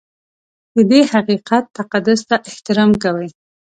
د دې حقیقت تقدس ته احترام کوي.